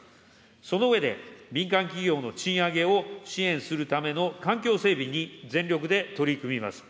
その上で、民間企業の賃上げを支援するための環境整備に全力で取り組みます。